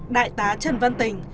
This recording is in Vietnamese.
đại tá trần văn tình